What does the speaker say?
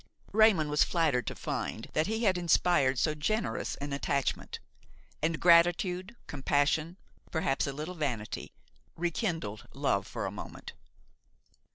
Raymon was flattered to find that he had inspired so generous an attachment, and gratitude, compassion, perhaps a little vanity, rekindled love for a moment.